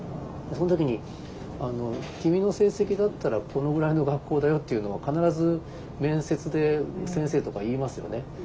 その時に「君の成績だったらこのぐらいの学校だよ」っていうのは必ず面接で先生とか言いますよね。